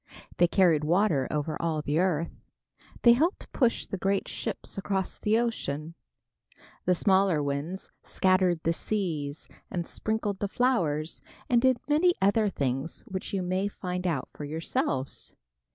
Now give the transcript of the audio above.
They carried water over all the earth. They helped push the great ships across the ocean. The smaller winds scattered the seeds and sprinkled the flowers, and did many other things which you may find out for yourselves.